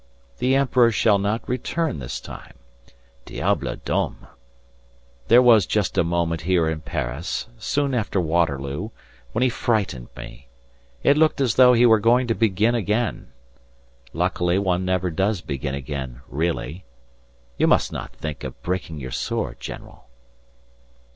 The emperor shall not return this time.... Diable d'homme! There was just a moment here in Paris, soon after Waterloo, when he frightened me. It looked as though he were going to begin again. Luckily one never does begin again really. You must not think of breaking your sword, general."